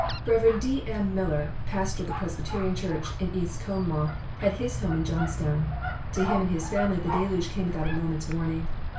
Rev. D. M. Miller, pastor of the Presbyterian church in East Conemaugh, had his home in Johnstown. To him and his family the deluge came without a moment's warning.